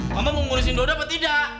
mama mau ngurusin dodo apa tidak